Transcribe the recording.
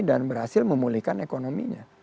dan berhasil memulihkan ekonominya